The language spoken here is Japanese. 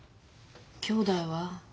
きょうだいは？